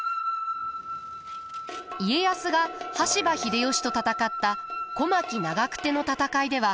家康が羽柴秀吉と戦った小牧長久手の戦いでは。